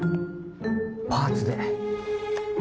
パーツで。